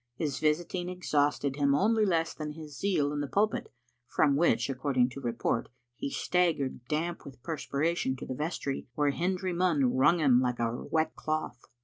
jHis visiting exhausted him only less than his zeal in the pulpit, from which, according to report, he staggered •damp with perspiration to the vestry, where Hendry !Munn wrung him like a wet cloth.